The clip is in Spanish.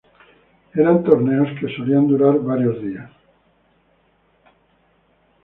Eran torneos que solían durar varios días.